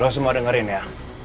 lo semua dengerin ya